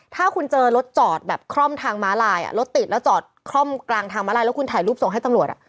ถ้าคุณเจอรถจอดแบบคร่อมทางม้าลายรถติดแล้วจอดคล่อมกลางทางมาลายแล้วคุณถ่ายรูปส่งให้ตำรวจ